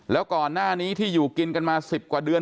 แล้วก่อนหน้านี้ที่อยู่กินกันมา๑๐กว่าเดือน